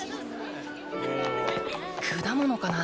果物かな？